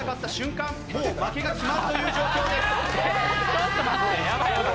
ちょっと待って！